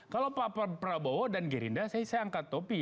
kalau pak prabowo dan gerindra saya angkat topi